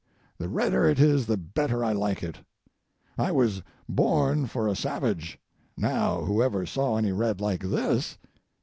The redder it is the better I like it. I was born for a savage. Now, whoever saw any red like this?